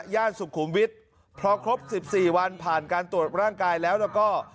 ย่านสุขุมวิทย์พอครบ๑๔วันผ่านการตรวจร่างกายแล้วแล้วก็